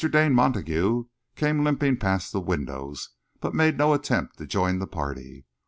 Dane Montague came limping past the windows but made no attempt to join the party.